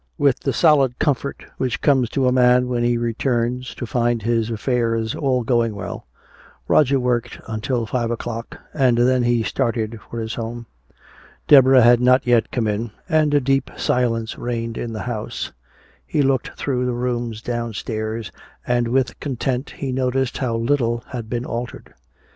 With the solid comfort which comes to a man when he returns to find his affairs all going well, Roger worked on until five o'clock, and then he started for his home. Deborah had not yet come in, and a deep silence reigned in the house. He looked through the rooms downstairs, and with content he noticed how little had been altered.